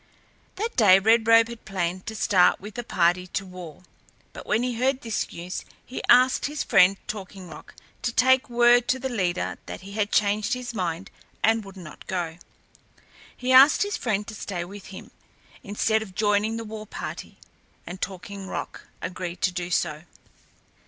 That day Red Robe had planned to start with a party to war; but when he heard this news he asked his friend Talking Rock to take word to the leader that he had changed his mind and would not go. He asked his friend to stay with him, instead of joining the war party, and Talking Rock agreed to do so.